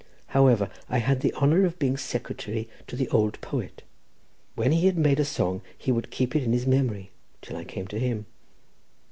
However, I had the honour of being secretary to the old poet. When he had made a song, he would keep it in his memory till I came to him.